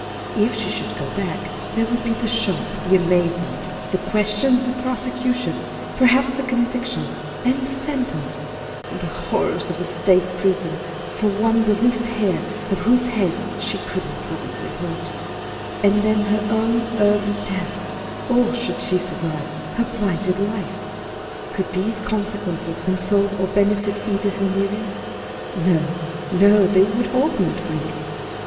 If she should go back, there would be the shock, the amazement, the questions, the prosecutions, perhaps the conviction, and the sentence, and the horrors of a state prison for one the least hair of whose head she could not willingly hurt; and then her own early death, or should she survive, her blighted life. Could these consequences console or benefit Edith or Miriam? No, no, they would augment grief.